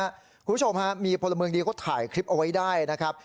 คุณผู้ชมฮะมีพลเมืองดีเขาถ่ายคลิปเอาไว้ได้นะครับ